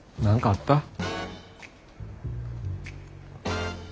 何かあった？